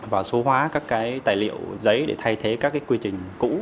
và số hóa các tài liệu giấy để thay thế các quy trình cũ